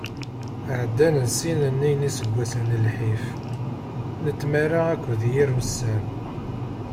Ɛeddan ssin-nni n iseggasen n lḥif, n tmara akked yir ussan.